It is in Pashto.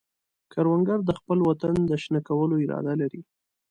کروندګر د خپل وطن د شنه کولو اراده لري